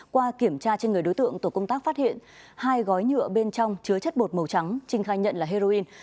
qua kiểm tra trên người đối tượng tổ công tác phát hiện hai gói nhựa bên trong chứa chất bột màu trắng trinh khai nhận là heroin